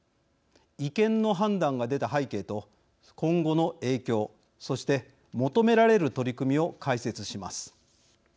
違憲の判断が出た背景と今後の影響そして、求められる取り組みを解説します。